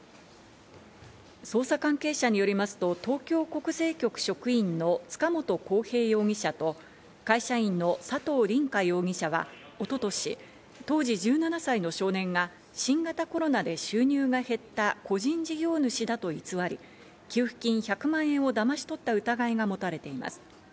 捜査関係者によりますと、東京国税局職員の塚本晃平容疑者と、会社員の佐藤凜果容疑者は一昨年、当時１７歳の少年が新型コロナで収入が減った個人事業主だと偽り、給付金１００万円をだまし取った疑いが持たれています。